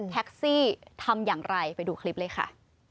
แท็กซี่ทำอย่างไรไปดูคลิปเลยค่ะ